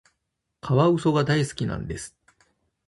カワウソが大好きなんです。